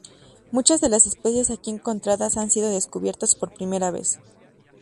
Muchas de las especies aquí encontradas han sido descubiertas por primera vez.